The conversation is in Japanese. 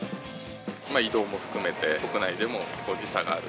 移動も含めて、国内でも時差がある。